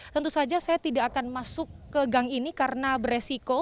tentu saja saya tidak akan masuk ke gang ini karena beresiko